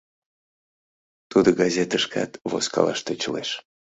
Тудо газетышкат возкалаш тӧчылеш.